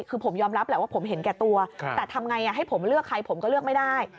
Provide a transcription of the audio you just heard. คือผมยอมรับแหละว่าผมเห็นแก่ตัวแต่ทำไงให้ผมเลือกใครผมก็เลือกไม่ได้